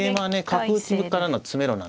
角打ちからの詰めろなんです。